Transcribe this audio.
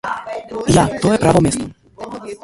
Ja, to je pravo mesto.